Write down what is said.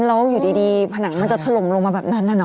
แล้วอยู่ดีผนังมันจะถล่มลงมาแบบนั้น